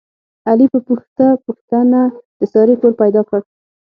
علي په پوښته پوښتنه د سارې کور پیدا کړ.